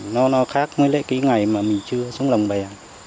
nó khác với lễ ký ngày mà mình chưa xuống lòng bè